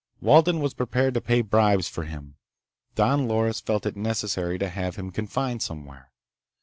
Walden was prepared to pay bribes for him. Don Loris felt it necessary to have him confined somewhere.